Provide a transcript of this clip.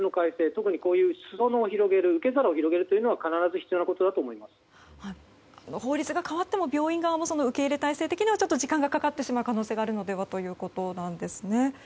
特に、裾野を広げる受け皿を広げるというのは法律が変わっても病院も受け入れ態勢的には時間がかかってしまうのではということです。